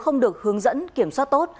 không được hướng dẫn kiểm soát tốt